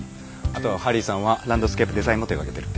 あとハリーさんはランドスケープデザインも手がけてる。